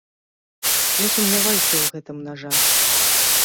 Я сумняваюся ў гэтым, на жаль.